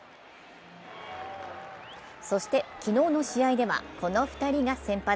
そして、昨日の試合ではこの２人が先発。